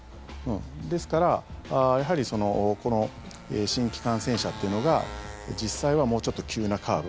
ですから、やはりこの新規感染者っていうのが実際はもうちょっと急なカーブ。